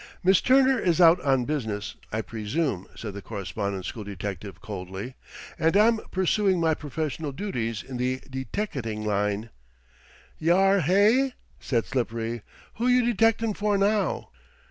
"Miss Turner is out on business, I presume," said the Correspondence School detective coldly, "and I am pursuing my professional duties in the deteckating line." "Yar, hey?" said Slippery. "Who you detectin' for now?"